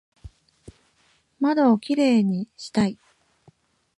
窓をキレイにしたい